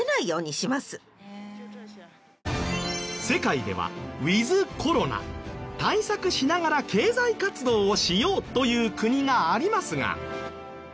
世界ではウィズコロナ対策しながら経済活動をしようという国がありますが。